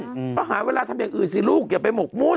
เพราะหาเวลาทำอย่างอื่นสิลูกอย่าไปหมกมุ่น